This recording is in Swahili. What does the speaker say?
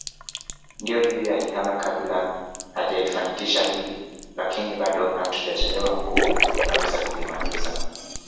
Ndio hivyo alihama kabla hajalifanikisha hili lakini bado hatujachelewa mkuu unaweza kulimalizia